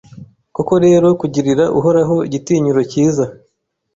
Koko rero kugirira Uhoraho igitinyiro cyiza